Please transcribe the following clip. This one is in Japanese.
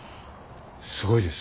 すごいです。